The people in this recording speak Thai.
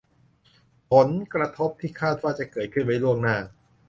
ผลกระทบที่คาดว่าจะเกิดขึ้นไว้ล่วงหน้า